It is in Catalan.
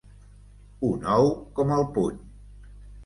Un ou com el puny.